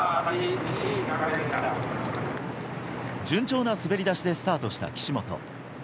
順調な滑り出しでスタートした岸本。